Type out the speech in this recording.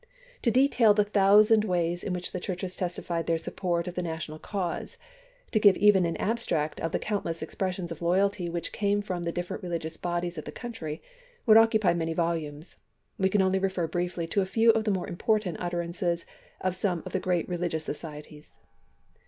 To detail the thou sand ways in which the Churches testified their support of the national cause, to give even an abstract of the countless expressions of loyalty which came from the different religious bodies of the country, would occupy many volumes ; we can only refer briefly to a few of the more important utterances of some of the great religious societies.